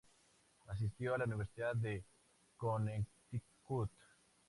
Asistió a la Universidad de Connecticut.